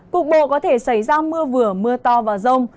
cục bộ có thể xảy ra mưa vừa mưa to và rông